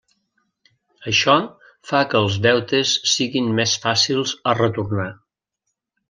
Això fa que els deutes siguin més fàcils a retornar.